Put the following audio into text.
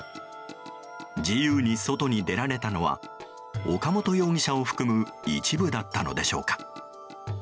自由に外に出られたのは岡本容疑者を含む一部だったのでしょうか。